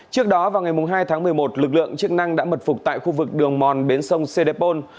trước đó vào ngày hai tháng một mươi một lực lượng chức năng đã mật phục tại khu vực đường mòn bến sông sê đê pôn